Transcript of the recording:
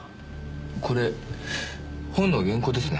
これ本の原稿ですね。